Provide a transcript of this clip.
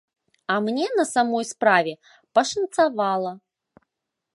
А мне, на самой справе, пашанцавала.